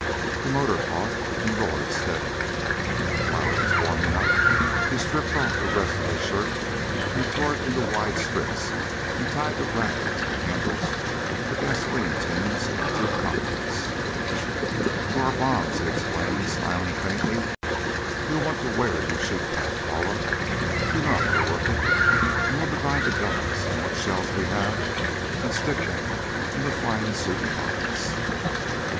The motor caught and roared steadily. While it was warming up, he stripped off the rest of his shirt and tore it into wide strips, and tied the rags in the handles of the gasoline tins in the two cockpits. "For our bombs," he explained, smiling faintly. "You'll want to wear your chute pack, Paula. You know how to work it? And we'll divide the guns and what shells we have, and stick them in the flying suit pockets."